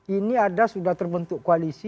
ini ada sudah terbentuk koalisi